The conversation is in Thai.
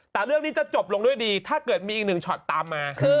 แต่เรื่องนี้จะจบลงด้วยดีถ้าเกิดมีอีกหนึ่งช็อตตามมาคือ